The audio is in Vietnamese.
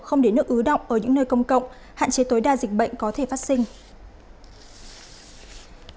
không để nước ứ động ở những nơi công cộng hạn chế tối đa dịch bệnh có thể phát sinh